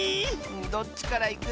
どっちからいく？